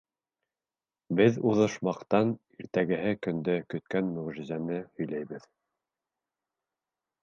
Беҙ уҙышмаҡтан иртәгеһе көндә көткән мөғжизәне һөйләйбеҙ.